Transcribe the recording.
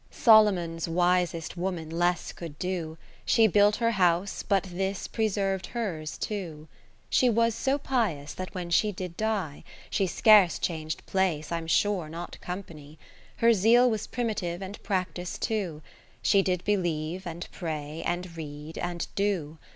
Solomon's wisest woman less could do ; 41 She built her house, but this preserv'd hers too. She was so pious that when she did die, She scarce chang'd place, I'm sure not company. Her Zeal was primitive and practice too ; She did believe, and pray, and read, and do.